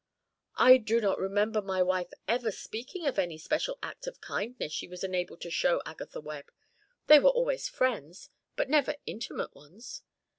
"I do not remember my wife ever speaking of any special act of kindness she was enabled to show Agatha Webb. They were always friends, but never intimate ones.